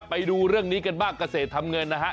ไปดูเรื่องนี้กันบ้างเกษตรทำเงินนะฮะ